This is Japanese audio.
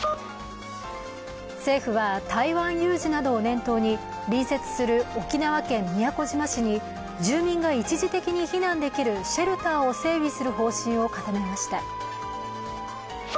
政府は台湾有事などを念頭に隣接する沖縄県宮古島市に住民が一時的に避難できるシェルターを整備する方針を固めました。